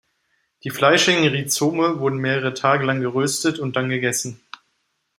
Die fleischigen Rhizome wurden mehrere Tage lang geröstet und dann gegessen.